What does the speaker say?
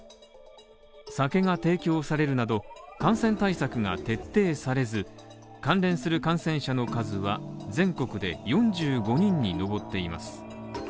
酒が提供されるなど感染対策が徹底されず関連する感染者の数は全国で４５人に上っています。